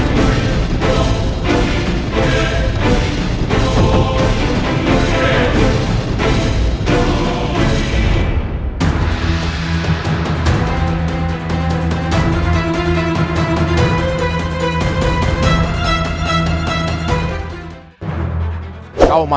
kita adalah suatu acara yang prematur